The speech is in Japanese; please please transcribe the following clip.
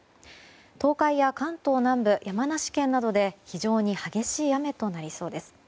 東海や関東南部山梨県などで非常に激しい雨となりそうです。